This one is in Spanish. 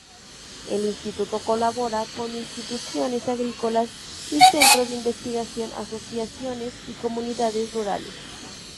El Instituto colabora con instituciones agrícolas y centros de investigación, asociaciones y comunidades rurales.